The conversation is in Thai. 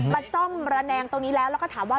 มาซ่อมระแนงตรงนี้แล้วแล้วก็ถามว่า